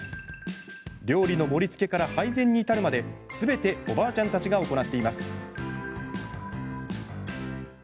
料理の盛りつけから配膳に至るまで、すべておばあちゃんたちが行っています。